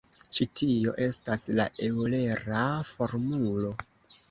Ĉi tio estas la eŭlera formulo.